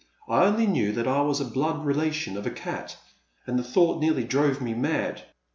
I only knew that I was a blood relation of a cat, and the thought nearly drove me mad.